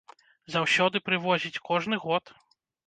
Заўсёды прывозіць, кожны год.